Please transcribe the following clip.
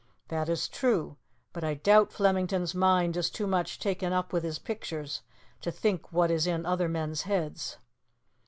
"That is true. But I doubt Flemington's mind is too much taken up with his pictures to think what is in other men's heads."